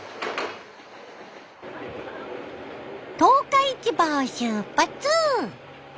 十日市場を出発！